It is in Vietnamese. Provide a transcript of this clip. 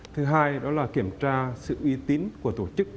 thứ hai đó là kiểm tra sự uy tín của tổ chức